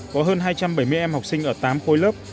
có hơn hai trăm bảy mươi em học sinh ở tám khối lớp